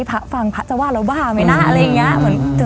เขาก็บอกว่าไปเจออะไรมา